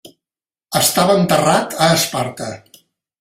Estava enterrat a Esparta.